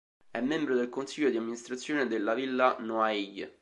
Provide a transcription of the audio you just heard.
È membro del Consiglio di Amministrazione della Villa Noailles.